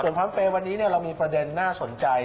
พร้อมเปย์วันนี้เรามีประเด็นน่าสนใจ